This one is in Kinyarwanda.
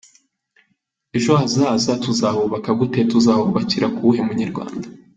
ejo hazaza tuzahubaka gute?, tuzahubakira ku wuhe munyarwanda.